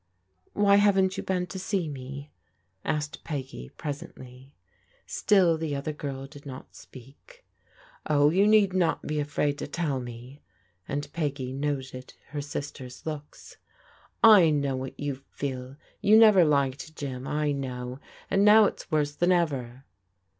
"Why haven't you been to see me?" asked Peggy presently. Still the other girl did not speak. *' Oh, you need not be afraid to tell me," and Peggy noted her sister's looks. " I know what you feel. You never liked Jim, I know, and now it's worse than ever."